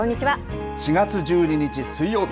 ４月１２日水曜日。